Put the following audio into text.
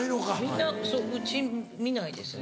みんなうち見ないですね。